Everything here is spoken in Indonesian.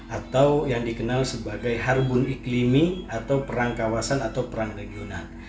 atau yang dikenal sebagai harbon iklimming atau perang kawasan atau perang regional